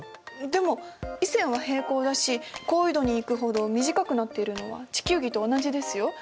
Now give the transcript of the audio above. でも緯線は平行だし高緯度に行くほど短くなっているのは地球儀と同じですよ。